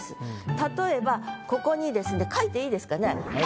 例えばここにですね書いていいですかね？